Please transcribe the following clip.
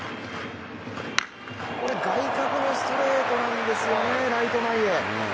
これ外角のストレートなんですよね、ライト前へ。